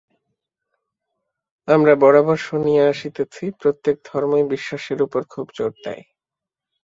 আমরা বরাবর শুনিয়া আসিতেছি, প্রত্যেক ধর্মই বিশ্বাসের উপর খুব জোর দেয়।